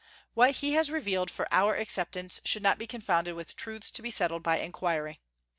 What He has revealed for our acceptance should not be confounded with truths to be settled by inquiry.